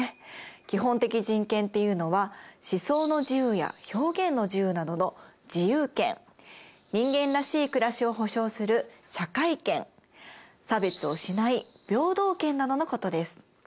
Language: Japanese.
基本的人権っていうのは思想の自由や表現の自由などの「自由権」人間らしい暮らしを保障する「社会権」差別をしない「平等権」などのことです。